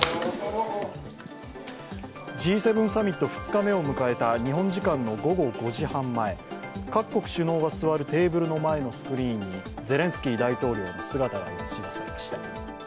Ｇ７サミット２日目を迎えた日本時間の午後５時半前、各国首脳が座るテーブルの前のスクリーンにゼレンスキー大統領の姿が映し出されました。